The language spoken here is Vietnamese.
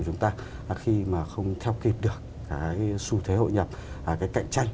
cái mất thứ hai